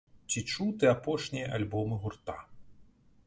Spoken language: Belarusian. Ці чуў ты апошнія альбомы гурта?